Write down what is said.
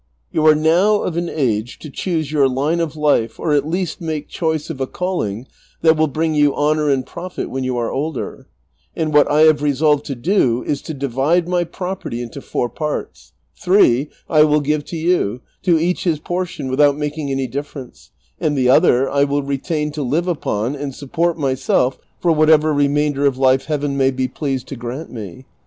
You are now of an age to choose your line of life or at least make choice of a calling that will bring you honor and profit when you are older ; and what I have i esolved to do is to divide my property into four parts ; thi'ee I will give to you, to each his portion without making any difterence, and the other I will retain to live upon and support myself for whatever remainder of life Heaven may be pleased to grant me.